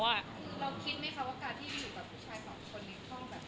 คือเราคิดไหมคะว่าการที่อยู่กับผู้ชายสองคนนี้ต้องแบบ